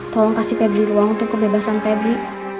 tolong kasih peddi ruang untuk kebebasan pebri